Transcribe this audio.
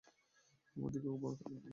আমার দিকে ওভাবে তাকিয়ো না!